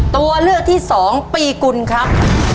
ตัวเลือกที่๒ปีกุลครับ